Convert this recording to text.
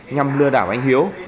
nhằm lừa đảo anh hiếu